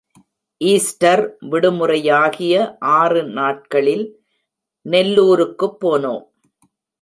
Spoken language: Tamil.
ஈஸ்டர் விடுமுறையாகிய ஆறு நாட்களில் நெல்லூருக்குப் போனோம்.